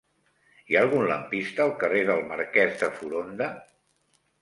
Hi ha algun lampista al carrer del Marquès de Foronda?